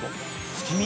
月見？